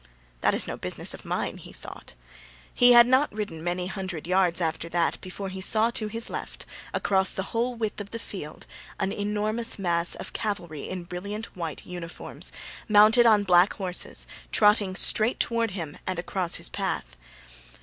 "That is no business of mine," he thought. He had not ridden many hundred yards after that before he saw to his left, across the whole width of the field, an enormous mass of cavalry in brilliant white uniforms, mounted on black horses, trotting straight toward him and across his path.